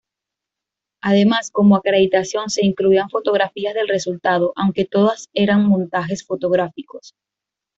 Además como acreditación se incluían fotografías del resultado, aunque todas eran montajes fotográficos.